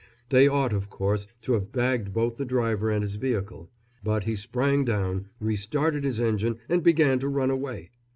They ought, of course, to have bagged both the driver and his vehicle; but he sprang down, restarted his engine and began to run away.